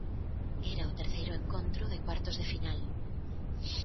Era o terceiro encontro de cuartos de final.